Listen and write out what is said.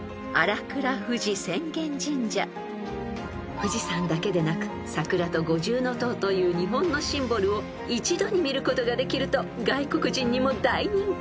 ［富士山だけでなく桜と五重塔という日本のシンボルを一度に見ることができると外国人にも大人気］